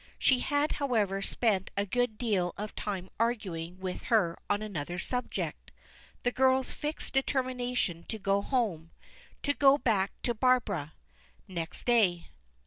She had, however, spent a good deal of time arguing with her on another subject the girl's fixed determination to go home "to go back to Barbara" next day.